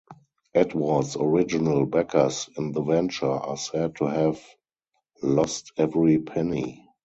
Edward's original backers in the venture are said to "have lost every penny".